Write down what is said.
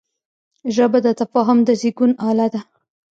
ژبه د تفاهم د زېږون اله ده